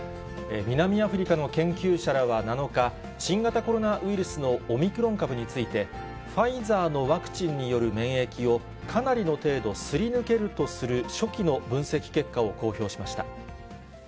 南アフリカの研究者らは７日、新型コロナウイルスのオミクロン株について、ファイザーのワクチンによる免疫をかなりの程度すり抜けるとする初期の分析結果を公表しました。